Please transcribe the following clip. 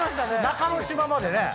中之島までね。